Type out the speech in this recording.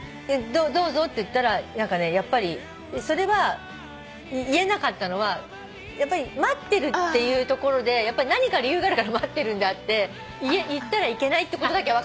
どうぞって言ったらやっぱりそれは言えなかったのはやっぱり待ってるっていうところで何か理由があるから待ってるんであって言ったらいけないってことだけは分かる。